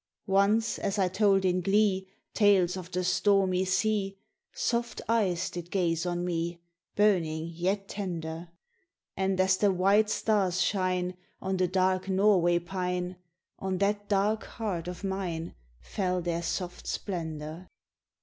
"Once as I told in glee Tales of the stormy sea, Soft eyes did gaze on me, Burning yet tender; And as the white stars shine On the dark Norway pine, On that dark heart of mine Fell their soft splendor.